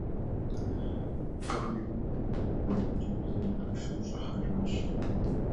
Къыхуишахэр къищтэри, хъыджэбзыр и пэшым щӀыхьэжащ.